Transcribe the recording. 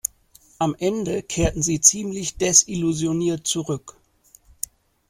Am Ende kehrten sie ziemlich desillusioniert zurück.